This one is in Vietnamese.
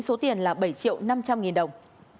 số tiền là bảy triệu năm trăm linh nghìn đồng